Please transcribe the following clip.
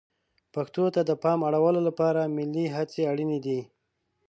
پښتو ته د پام اړولو لپاره ملي هڅې اړینې دي.